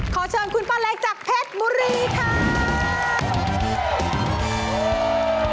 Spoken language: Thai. ขอเชิญคุณป้าเล็กจากเพชรบุรีค่ะ